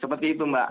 seperti itu mbak